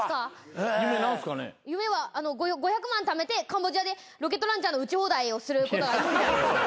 夢は５００万ためてカンボジアでロケットランチャーの撃ち放題をすること。